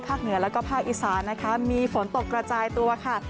เหนือแล้วก็ภาคอีสานนะคะมีฝนตกกระจายตัวค่ะ